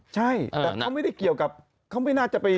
ใช่แต่เขาไม่ได้เกี่ยวกับเขาไม่น่าจะไป